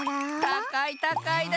たかいたかいだ！